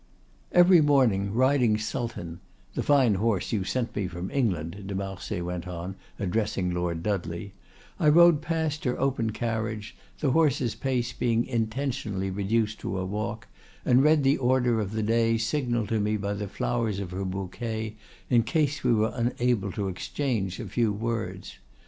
"Every morning, riding Sultan—the fine horse you sent me from England," de Marsay went on, addressing Lord Dudley, "I rode past her open carriage, the horses' pace being intentionally reduced to a walk, and read the order of the day signaled to me by the flowers of her bouquet in case we were unable to exchange a few words.